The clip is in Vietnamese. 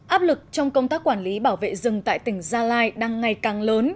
áp lực trong công tác quản lý bảo vệ rừng tại tỉnh gia lai đang ngày càng lớn